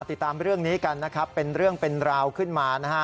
ติดตามเรื่องนี้กันนะครับเป็นเรื่องเป็นราวขึ้นมานะฮะ